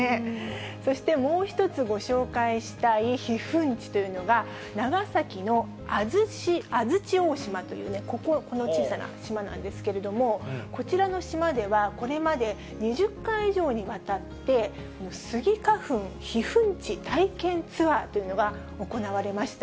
そしてもう１つ、ご紹介したい避粉地というのが、長崎の的山大島というね、ここの小さな島なんですけれども、こちらの島では、これまで、２０回以上にわたってスギ花粉避粉地体験ツアーというのが行われました。